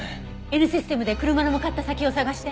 Ｎシステムで車の向かった先を捜して。